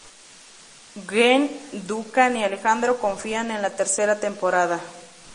Gwen, Duncan, y Alejandro confían en la tercera temporada.